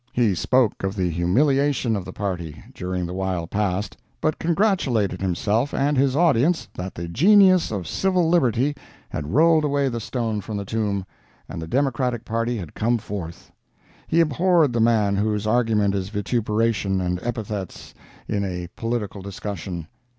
He spoke of the humiliation of the party, during the while past, but congratulated himself and his audience that the genius of civil liberty had rolled away the stone from the tomb, and the Democratic party had come forth. He abhorred the man whose argument is vituperation and epithets in a political discussion.